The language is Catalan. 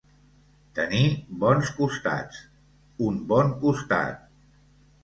Tenir bons costats, un bon costat.